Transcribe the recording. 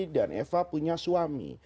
dan eva punya suami